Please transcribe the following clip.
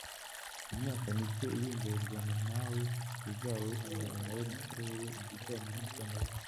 mu myaka mike iri mbere u Rwanda ntawe ruzaba ruhanganye na we mu karere mu bijyanye n’ikoranabuhanga